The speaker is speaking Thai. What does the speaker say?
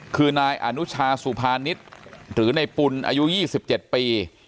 คือนายอนุชาสุภานิษฐ์หรือในปุ่นอายุ๒๗ปี